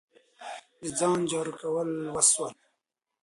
د ځان جار کول وسول.